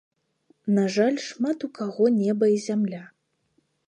На жаль, шмат у каго неба і зямля.